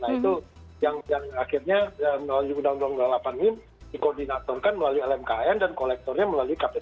nah itu yang akhirnya melalui undang undang dua puluh delapan ini dikoordinatorkan melalui lmkn dan kolektornya melalui kppu